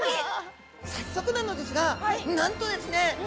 早速なのですがなんとですね